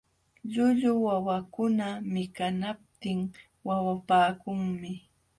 Llullu wawakuna mikanaptin wawapaakunmi.